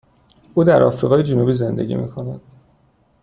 او در آفریقای جنوبی زندگی می کند.